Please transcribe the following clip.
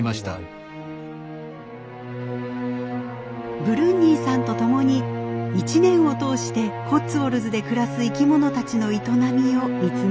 ブルンニーさんとともに一年を通してコッツウォルズで暮らす生き物たちの営みを見つめます。